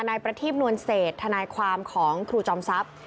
นายประทีบนวลเศษทนายความของครูจอมทรัพย์